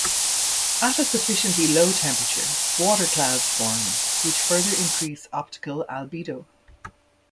At a sufficiently low temperature, water clouds form, which further increase optical albedo.